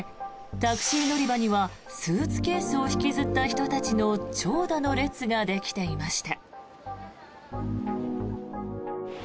タクシー乗り場にはスーツケースを引きずった人たちの長蛇の列ができていました。